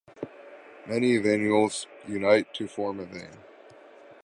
Many venules unite to form a vein.